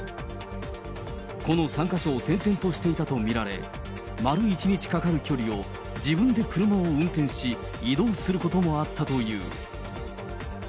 この３か所を転々としていたと見られ、丸１日かかる距離を自分で車を運転し、移動することもあったという。